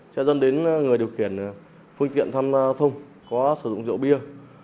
sẽ dân đến người điều khiển phương tiện giao thông có sử dụng rượu bia